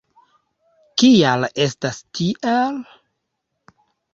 Kial estas tiel?